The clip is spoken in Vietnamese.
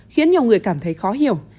khiến nhiều người cảm thấy khó hiểu